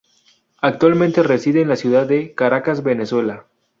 Actualmente reside en la ciudad de Caracas, Venezuela.